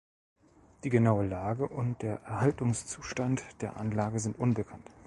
Die genaue Lage und der Erhaltungszustand der Anlage sind unbekannt.